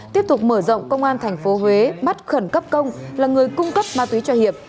tiếp tục mở rộng công an tp huế bắt khẩn cấp công là người cung cấp ma túy cho hiệp